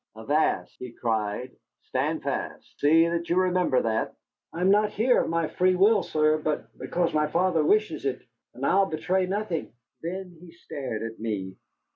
"Avast!" he cried. "Stand fast. See that you remember that." "I'm not here of my free will, sir, but because my father wishes it. And I'll betray nothing." Then he stared at me.